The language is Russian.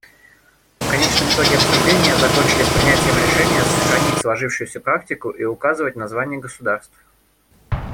В конечном итоге обсуждения закончились принятием решения сохранить сложившуюся практику и указывать названия государств.